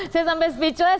saya sampai speechless